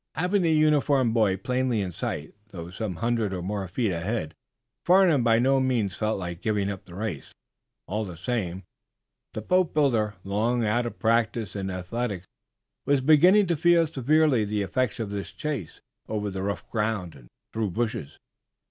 Having the uniformed boy plainly in sight, though some hundred or more feet ahead, Farnum by no means felt like giving up the race. All the same, the boatbuilder, long out of practice in athletics, was beginning to feel severely the effects of this chase over rough ground and through bushes.